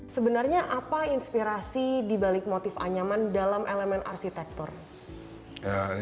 sebenarnya apa inspirasi dibalik motif anyaman dalam elemen arsitektur